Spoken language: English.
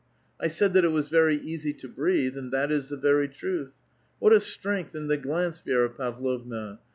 1 said that it was very easy to breathe, and that is the very truth. What a strength in the glance, Vi^ra Pavlovna